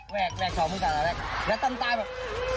แวกแวกของมึงต่างแล้วต้องตายแบบ